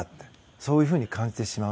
そういうふうに感じてしまう。